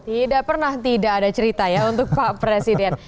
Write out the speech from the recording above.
tidak pernah tidak ada cerita ya untuk pak presiden